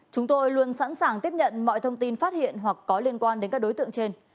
chúng tôi luôn sẵn sàng tiếp nhận mọi thông tin phát hiện hoặc có liên quan đến các đối tượng trên